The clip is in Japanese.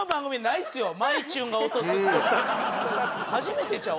初めてちゃう？